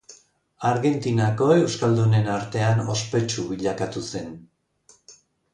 Argentinako euskaldunen artean ospetsu bilakatu zen.